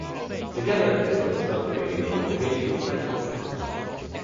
Together they focused on creating a more radio-friendly sound.